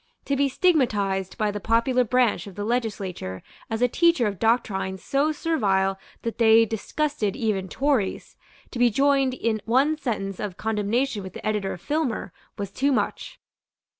To be stigmatized by the popular branch of the legislature as a teacher of doctrines so servile that they disgusted even Tories, to be joined in one sentence of condemnation with the editor of Filmer, was too much.